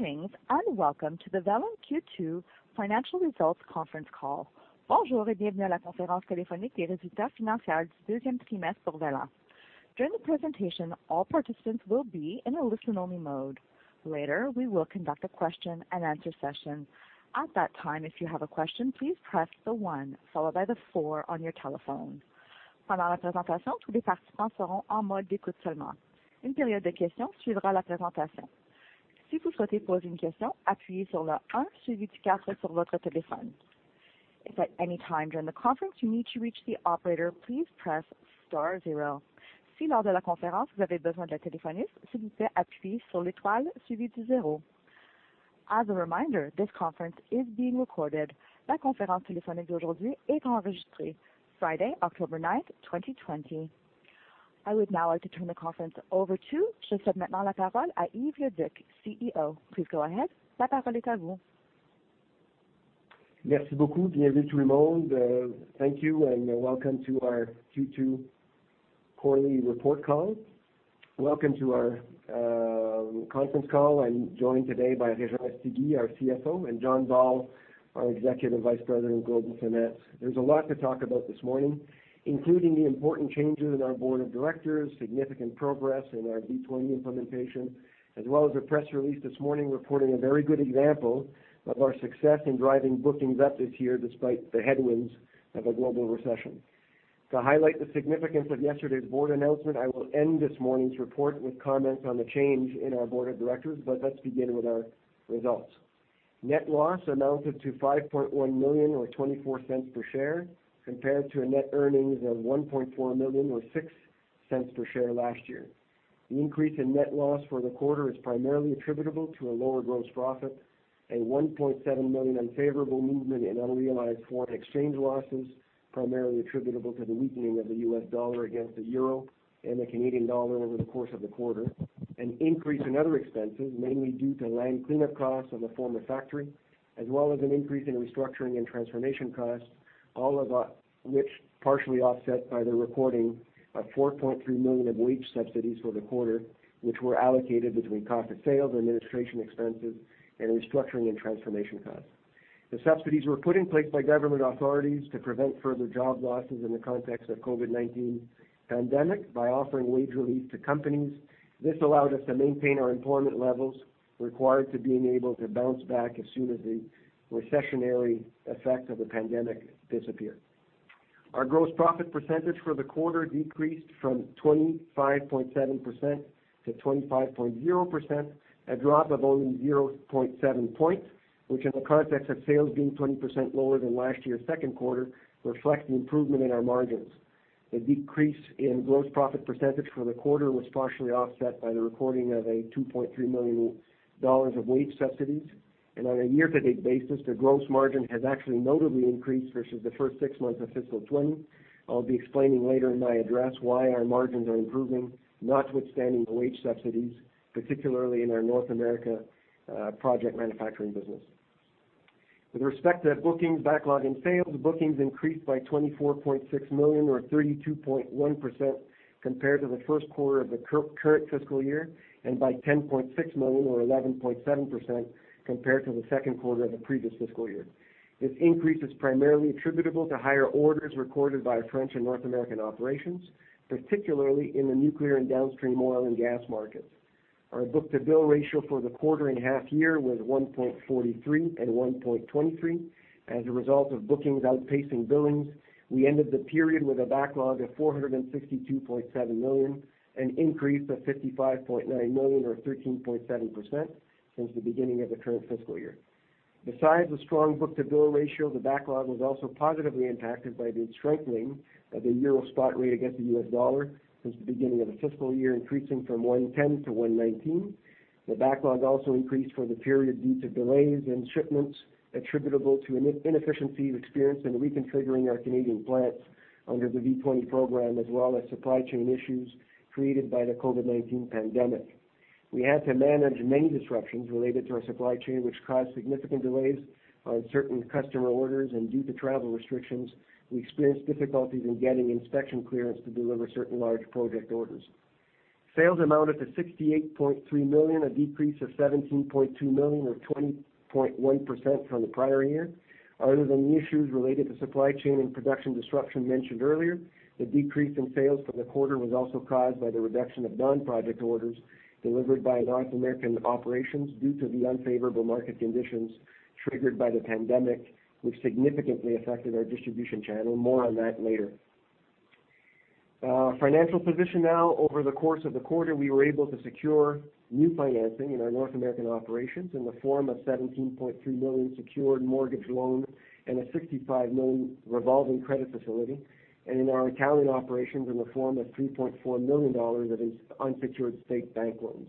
Good evening, and welcome to the Velan Q2 financial results conference call. During the presentation, all participants will be in a listen-only mode. Later, we will conduct a question-and-answer session. At that time, if you have a question, please press the one followed by the four. If at any time during the conference you need to reach the operator, please press star zero. As a reminder, this conference is being recorded on Friday, October 9th, 2020. I would now like to turn the conference over to Yves Leduc CEO. Please go ahead. Thank you. Welcome to our Q2 quarterly report call. Welcome to our conference call. I'm joined today by Réjean Ostiguy, our CFO, and John Ball, our Executive Vice President, Global Finance. There's a lot to talk about this morning, including the important changes in our board of directors, significant progress in our V20 implementation, as well as the press release this morning reporting a very good example of our success in driving bookings up this year despite the headwinds of a global recession. To highlight the significance of yesterday's board announcement, I will end this morning's report with comments on the change in our board of directors. Let's begin with our results. Net loss amounted to 5.1 million, or 0.24 per share, compared to a net earnings of 1.4 million or 0.06 per share last year. The increase in net loss for the quarter is primarily attributable to a lower gross profit, a 1.7 million unfavorable movement in unrealized foreign exchange losses, primarily attributable to the weakening of the US dollar against the euro and the Canadian dollar over the course of the quarter. An increase in other expenses, mainly due to land cleanup costs of a former factory, as well as an increase in restructuring and transformation costs. All of which partially offset by the reporting of 4.3 million of wage subsidies for the quarter, which were allocated between cost of sales, administration expenses, and restructuring and transformation costs. The subsidies were put in place by government authorities to prevent further job losses in the context of COVID-19 pandemic by offering wage relief to companies. This allowed us to maintain our employment levels required to being able to bounce back as soon as the recessionary effects of the pandemic disappear. Our gross profit percentage for the quarter decreased from 25.7% to 25.0%, a drop of only 0.7 points, which in the context of sales being 20% lower than last year's second quarter, reflects the improvement in our margins. The decrease in gross profit percentage for the quarter was partially offset by the recording of a $2.3 million of wage subsidies. On a year-to-date basis, the gross margin has actually notably increased versus the first six months of fiscal 2020. I'll be explaining later in my address why our margins are improving, notwithstanding the wage subsidies, particularly in our North America project manufacturing business. With respect to bookings, backlog, and sales, bookings increased by $24.6 million or 32.1% compared to the first quarter of the current fiscal year, and by $10.6 million or 11.7% compared to the second quarter of the previous fiscal year. This increase is primarily attributable to higher orders recorded by our French and North American operations, particularly in the nuclear and downstream oil and gas markets. Our book-to-bill ratio for the quarter and half year was 1.43 and 1.23 as a result of bookings outpacing billings. We ended the period with a backlog of $462.7 million, an increase of $55.9 million or 13.7% since the beginning of the current fiscal year. Besides the strong book-to-bill ratio, the backlog was also positively impacted by the strengthening of the EUR spot rate against the U.S. dollar since the beginning of the fiscal year, increasing from 110 to 119. The backlog also increased for the period due to delays in shipments attributable to inefficiencies experienced in reconfiguring our Canadian plants under the V20 program, as well as supply chain issues created by the COVID-19 pandemic. We had to manage many disruptions related to our supply chain, which caused significant delays on certain customer orders, and due to travel restrictions, we experienced difficulties in getting inspection clearance to deliver certain large project orders. Sales amounted to $68.3 million, a decrease of $17.2 million or 20.1% from the prior year. Other than the issues related to supply chain and production disruption mentioned earlier, the decrease in sales for the quarter was also caused by the reduction of non-project orders delivered by North American operations due to the unfavorable market conditions triggered by the pandemic, which significantly affected our distribution channel. More on that later. Financial position now. Over the course of the quarter, we were able to secure new financing in our North American operations in the form of $17.3 million secured mortgage loan and a $65 million revolving credit facility, and in our Italian operations in the form of $3.4 million of unsecured state bank loans.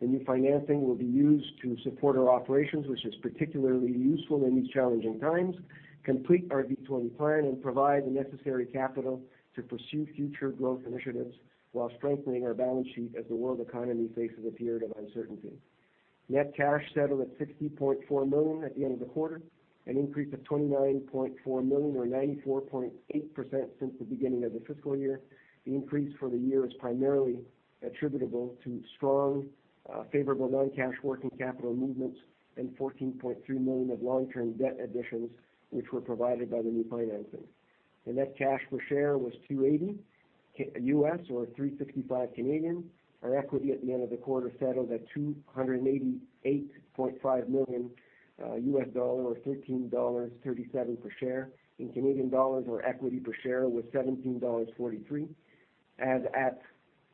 The new financing will be used to support our operations, which is particularly useful in these challenging times, complete our V20 plan, and provide the necessary capital to pursue future growth initiatives while strengthening our balance sheet as the world economy faces a period of uncertainty. Net cash settled at $60.4 million at the end of the quarter, an increase of $29.4 million, or 94.8% since the beginning of the fiscal year. The increase for the year is primarily attributable to strong favorable non-cash working capital movements and $14.3 million of long-term debt additions, which were provided by the new financing. The net cash per share was $2.80 or 3.65. Our equity at the end of the quarter settled at $288.5 million or $13.37 per share. In Canadian dollars, our equity per share was 17.43 dollars as at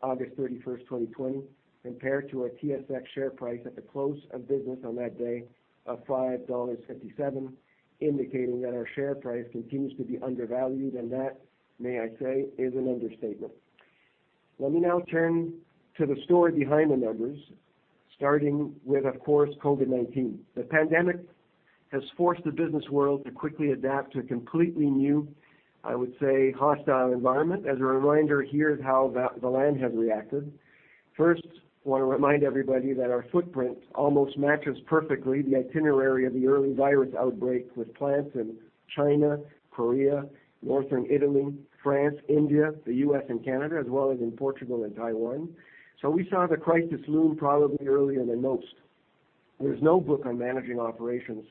August 31st, 2020, compared to our TSX share price at the close of business on that day of 5.57 dollars, indicating that our share price continues to be undervalued, and that, may I say, is an understatement. Let me now turn to the story behind the numbers, starting with, of course, COVID-19. The pandemic has forced the business world to quickly adapt to a completely new, I would say, hostile environment. As a reminder, here is how Velan has reacted. I want to remind everybody that our footprint almost matches perfectly the itinerary of the early virus outbreak with plants in China, Korea, Northern Italy, France, India, the U.S., and Canada, as well as in Portugal and Taiwan. We saw the crisis loom probably earlier than most. There's no book on managing operations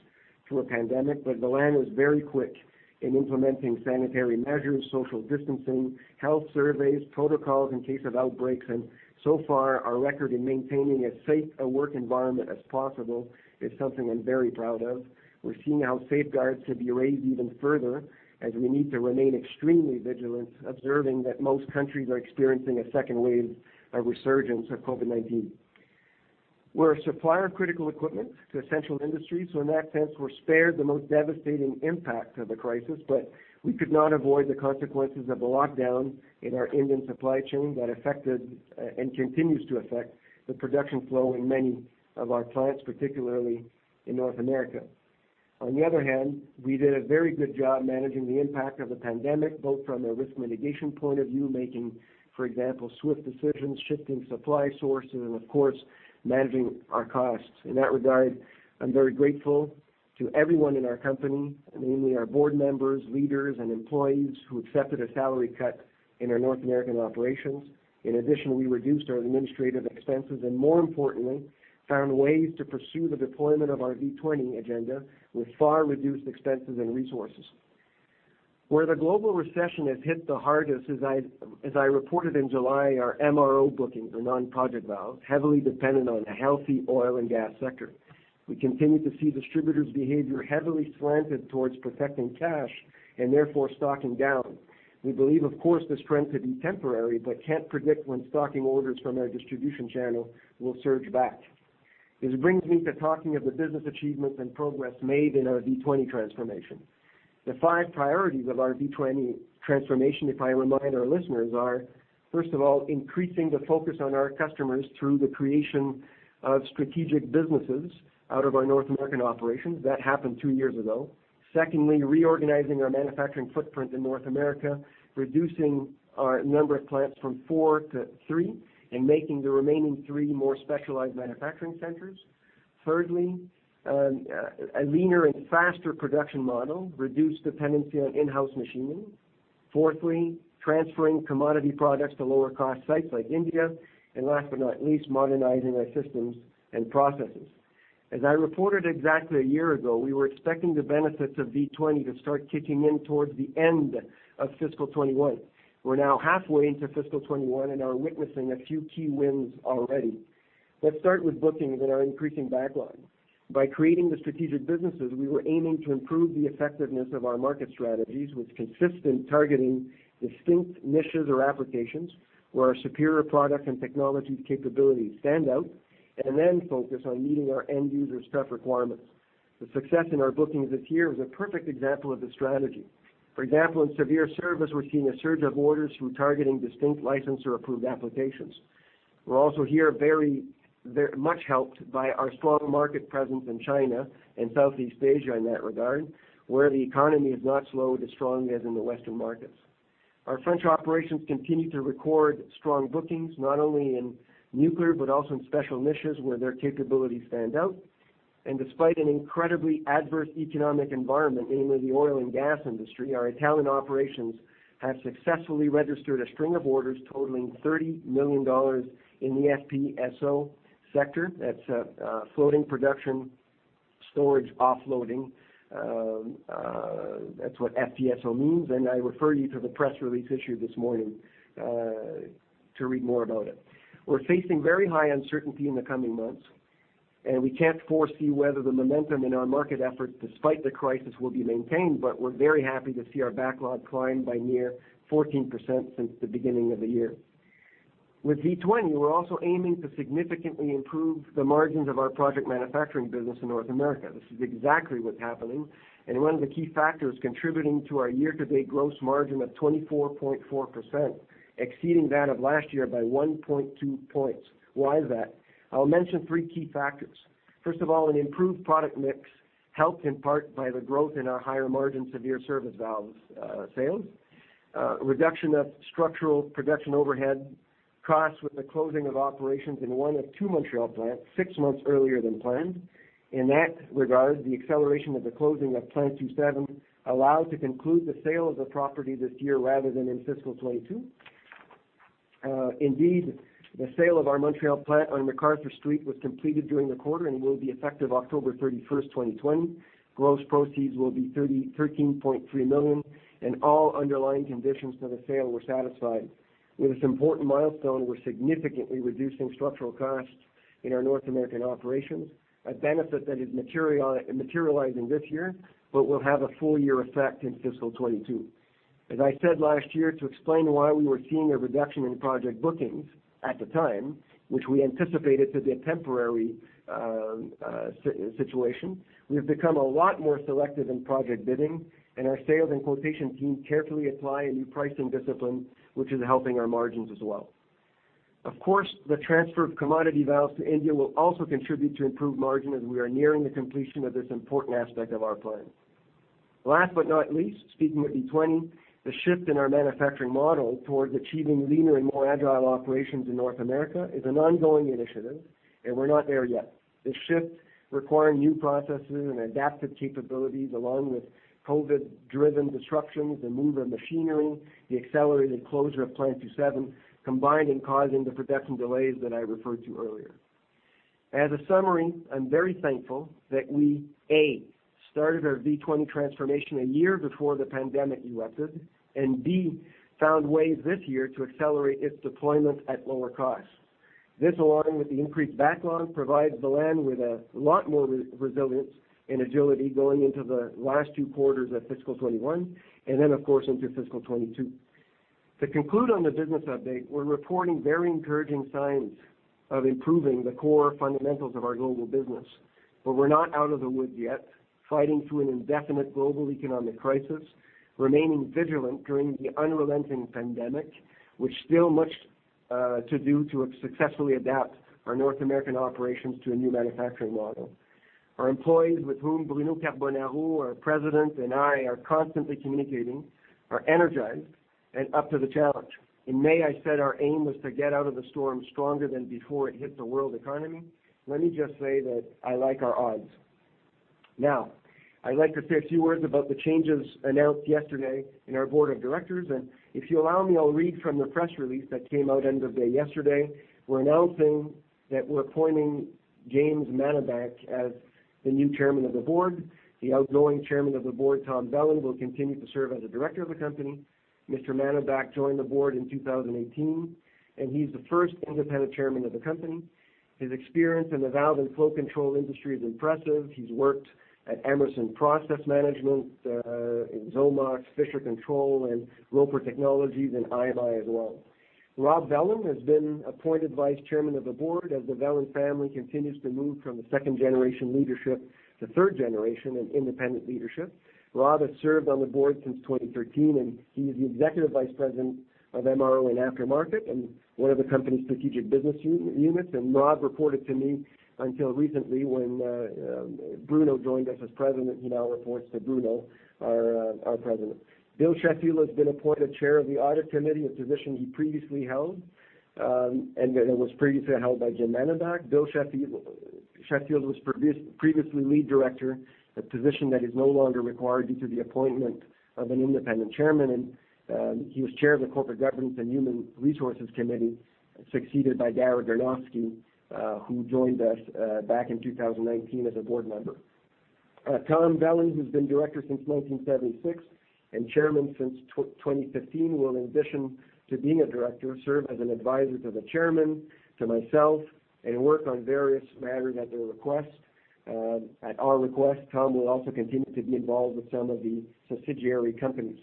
through a pandemic, Velan was very quick in implementing sanitary measures, social distancing, health surveys, protocols in case of outbreaks, and so far, our record in maintaining as safe a work environment as possible is something I'm very proud of. We're seeing how safeguards could be raised even further as we need to remain extremely vigilant, observing that most countries are experiencing a second wave of resurgence of COVID-19. We're a supplier of critical equipment to essential industries, so in that sense, we're spared the most devastating impact of the crisis, but we could not avoid the consequences of the lockdown in our Indian supply chain that affected and continues to affect the production flow in many of our plants, particularly in North America. On the other hand, we did a very good job managing the impact of the pandemic, both from a risk mitigation point of view, making, for example, swift decisions, shifting supply sources, and of course, managing our costs. In that regard, I'm very grateful to everyone in our company, namely our board members, leaders, and employees who accepted a salary cut in our North American operations. In addition, we reduced our administrative expenses and more importantly, found ways to pursue the deployment of our V20 agenda with far reduced expenses and resources. Where the global recession has hit the hardest, as I reported in July, our MRO bookings are non-project valves, heavily dependent on a healthy oil and gas sector. We continue to see distributors' behavior heavily slanted towards protecting cash and therefore stocking down. We believe, of course, this trend to be temporary but can't predict when stocking orders from our distribution channel will surge back. This brings me to talking of the business achievements and progress made in our V20 Transformation. The five priorities of our V20 Transformation, if I remind our listeners, are, first of all, increasing the focus on our customers through the creation of strategic businesses out of our North American operations. That happened two years ago. Secondly, reorganizing our manufacturing footprint in North America, reducing our number of plants from four to three and making the remaining three more specialized manufacturing centers. Thirdly, a leaner and faster production model, reduced dependency on in-house machining. Fourthly, transferring commodity products to lower-cost sites like India. Last but not least, modernizing our systems and processes. As I reported exactly a year ago, we were expecting the benefits of V20 to start kicking in towards the end of fiscal 2021. We are now halfway into fiscal 2021 and are witnessing a few key wins already. Let's start with bookings and our increasing backlog. By creating the strategic businesses, we were aiming to improve the effectiveness of our market strategies with consistent targeting distinct niches or applications where our superior product and technology capabilities stand out and then focus on meeting our end users' tough requirements. The success in our bookings this year is a perfect example of the strategy. For example, in severe service, we're seeing a surge of orders through targeting distinct license or approved applications. We're also here very much helped by our strong market presence in China and Southeast Asia in that regard, where the economy has not slowed as strong as in the Western markets. Our French operations continue to record strong bookings, not only in nuclear but also in special niches where their capabilities stand out. Despite an incredibly adverse economic environment, namely the oil and gas industry, our Italian operations have successfully registered a string of orders totaling 30 million dollars in the FPSO sector. That's floating production storage offloading. That's what FPSO means, and I refer you to the press release issued this morning to read more about it. We're facing very high uncertainty in the coming months, and we can't foresee whether the momentum in our market efforts despite the crisis will be maintained, but we're very happy to see our backlog climb by near 14% since the beginning of the year. With V20, we're also aiming to significantly improve the margins of our project manufacturing business in North America. This is exactly what's happening and one of the key factors contributing to our year-to-date gross margin of 24.4%, exceeding that of last year by 1.2 points. Why is that? I'll mention three key factors. First of all, an improved product mix helped in part by the growth in our higher-margin severe service valves sales. Reduction of structural production overhead costs with the closing of operations in one of two Montreal plants six months earlier than planned. In that regard, the acceleration of the closing of Plant 2/7 allowed to conclude the sale of the property this year rather than in fiscal 2022. Indeed, the sale of our Montreal plant on McArthur Street was completed during the quarter and will be effective October 31st, 2020. Gross proceeds will be $13.3 million, and all underlying conditions to the sale were satisfied. With this important milestone, we're significantly reducing structural costs in our North American operations, a benefit that is materializing this year, but will have a full-year effect in fiscal 2022. As I said last year to explain why we were seeing a reduction in project bookings at the time, which we anticipated to be a temporary situation, we've become a lot more selective in project bidding, and our sales and quotation team carefully apply a new pricing discipline, which is helping our margins as well. Of course, the transfer of commodity valves to India will also contribute to improved margin as we are nearing the completion of this important aspect of our plan. Last but not least, speaking of V20, the shift in our manufacturing model towards achieving leaner and more agile operations in North America is an ongoing initiative, and we're not there yet. This shift, requiring new processes and adaptive capabilities along with COVID-driven disruptions, the move of machinery, the accelerated closure of Plant 2/7, combined in causing the production delays that I referred to earlier. As a summary, I'm very thankful that we, A, started our V20 Transformation a year before the pandemic erupted, and B, found ways this year to accelerate its deployment at lower cost. This, along with the increased backlog, provides Velan with a lot more resilience and agility going into the last two quarters of fiscal 2021, and then, of course, into fiscal 2022. To conclude on the business update, we're reporting very encouraging signs of improving the core fundamentals of our global business. We're not out of the woods yet, fighting through an indefinite global economic crisis, remaining vigilant during the unrelenting pandemic, with still much to do to successfully adapt our North American operations to a new manufacturing model. Our employees, with whom Bruno Carbonaro, our President, and I are constantly communicating, are energized and up to the challenge. In May, I said our aim was to get out of the storm stronger than before it hit the world economy. Let me just say that I like our odds. Now, I'd like to say a few words about the changes announced yesterday in our Board of Directors, and if you allow me, I'll read from the press release that came out end of day yesterday. We're announcing that we're appointing James Mannebach as the new Chairman of the Board. The outgoing Chairman of the Board, Tom Velan, will continue to serve as a Director of the Company. Mr. Mannebach joined the Board in 2018, and he's the first independent Chairman of the Company. His experience in the valve and flow control industry is impressive. He's worked at Emerson Process Management, in Xomox, Fisher Controls, and Roper Technologies, and IMI as well. Rob Velan has been appointed Vice Chairman of the Board as the Velan family continues to move from the second-generation leadership to third-generation and independent leadership. Rob has served on the board since 2013, and he is the Executive Vice President of MRO and Aftermarket and one of the company's Strategic Business Units. Rob reported to me until recently when Bruno joined us as President. He now reports to Bruno, our President. Bill Sheffield has been appointed Chair of the Audit Committee, a position he previously held, and that it was previously held by Jim Mannebach. Bill Sheffield was previously Lead Director, a position that is no longer required due to the appointment of an independent Chairman, and he was Chair of the Corporate Governance and Human Resources Committee, succeeded by Dahra Granovsky, who joined us back in 2019 as a board member. Tom Velan, who's been director since 1976 and chairman since 2015, will, in addition to being a director, serve as an advisor to the chairman, to myself, and work on various matters at their request. At our request, Tom will also continue to be involved with some of the subsidiary companies.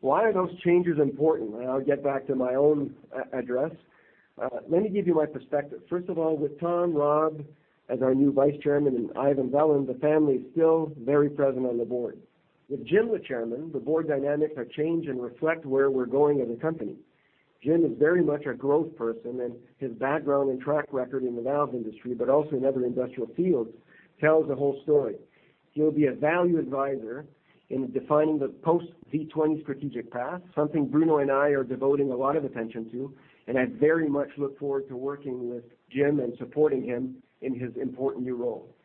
Why are those changes important? I'll get back to my own address. Let me give you my perspective. First of all, with Tom, Rob as our new Vice-Chairman, and Ivan Velan, the family is still very present on the board. With Jim, the Chairman, the board dynamics are changed and reflect where we're going as a company. Jim is very much a growth person, and his background and track record in the valve industry, but also in other industrial fields, tells a whole story. He'll be a value advisor in defining the post-V20 strategic path, something Bruno and I are devoting a lot of attention to, and I very much look forward to working with Jim and supporting him in his important new role.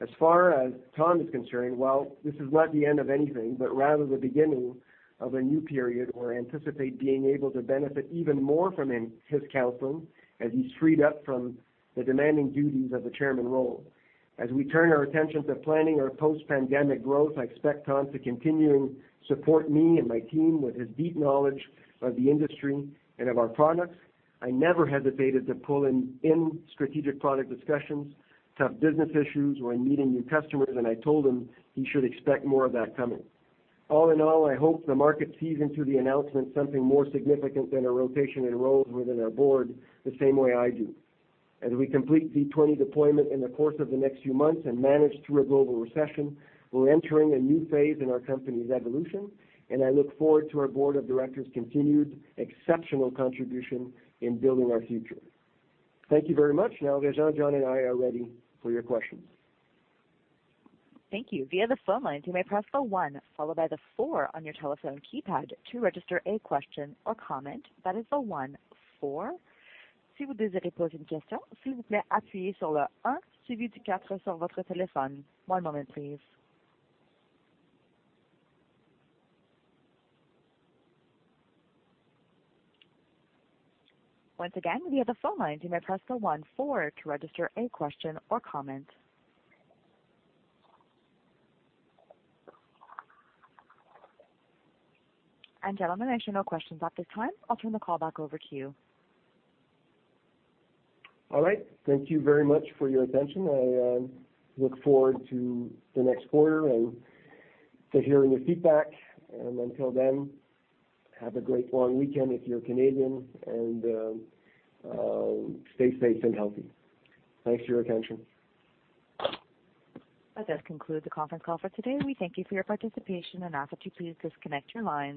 As far as Tom is concerned, while this is not the end of anything, but rather the beginning of a new period where I anticipate being able to benefit even more from his counsel as he's freed up from the demanding duties of the chairman role. As we turn our attention to planning our post-pandemic growth, I expect Tom to continue to support me and my team with his deep knowledge of the industry and of our products. I never hesitated to pull him in strategic product discussions, tough business issues, or in meeting new customers, and I told him he should expect more of that coming. All in all, I hope the market sees into the announcement something more significant than a rotation in roles within our board the same way I do. As we complete V20 deployment in the course of the next few months and manage through a global recession, we're entering a new phase in our company's evolution, and I look forward to our board of directors' continued exceptional contribution in building our future. Thank you very much. Now, Réjean, John, and I are ready for your questions. Thank you. Via the phone lines, you may press the one followed by the four on your telephone keypad to register a question or comment. That is the one, four. One moment, please. Once again, via the phone lines, you may press the one, four to register a question or comment. Gentlemen, I show no questions at this time. I'll turn the call back over to you. All right. Thank you very much for your attention. I look forward to the next quarter and to hearing your feedback. Until then, have a great long weekend if you're Canadian, and stay safe and healthy. Thanks for your attention. That does conclude the conference call for today. We thank you for your participation and ask that you please disconnect your lines.